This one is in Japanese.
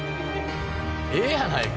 ええやないか。